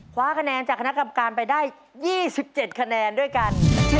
คว้าคะแนนจากคณะกรรมการไปได้๒๗คะแนนด้วยกัน